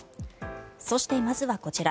そして、まずはこちら。